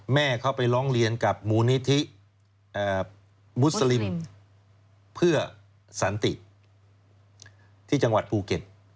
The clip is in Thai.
แม่เขาไปร้องเรียนกับมูลนิธิมุสลิมเพื่อสันติที่จังหวัดภูเก็ต